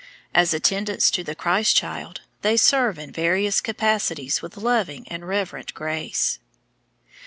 As attendants to the Christ child, they serve in various capacities with loving and reverent grace.